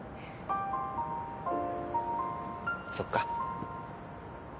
そっか。